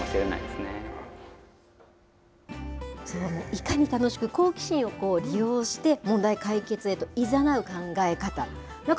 いかに楽しく、好奇心を利用して問題解決へといざなう考え方。